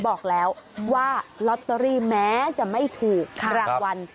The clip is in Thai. บอกแล้วว่าลอตเตอรี่แม้จะไม่ถูกรางวัล